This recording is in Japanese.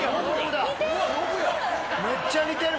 めっちゃ似てる。